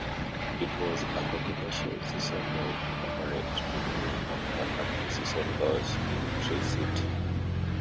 It was a controversial season for Everett, beginning after a preseason loss in Tri-City.